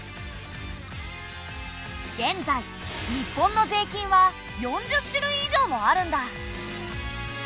現在日本の税金は４０種類以上もあるんだ！